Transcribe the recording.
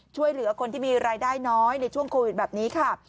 ช่วยเหลือคนที่มีรายได้น้อยในช่วงโควิดแบบนี้ค่ะ